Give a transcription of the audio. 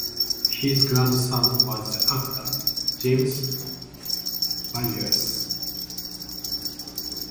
His grandson was the actor James Villiers.